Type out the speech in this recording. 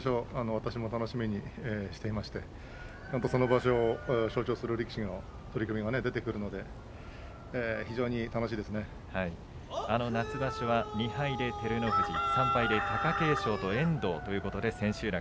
私は楽しみにしていまして本当にその場所を象徴する力士の取組が出てくるので夏場所は２敗で照ノ富士３敗で貴景勝と遠藤ということで千秋楽。